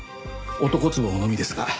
男壺のみですが。